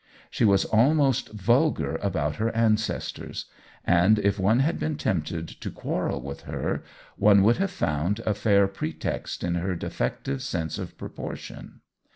She was almost vulgar about her ancestors ; and if one had been tempted to quarrel with her, one would have found a fair pre text in her defective sense of proportion.